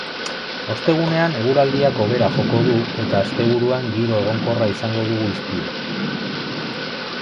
Ostegunean eguraldiak hobera joko du eta asteburuan giro egonkorra izango dugu hizpide.